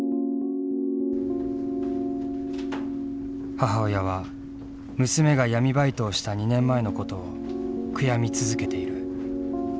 母親は娘が闇バイトをした２年前のことを悔やみ続けている。